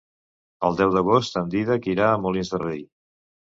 El deu d'agost en Dídac irà a Molins de Rei.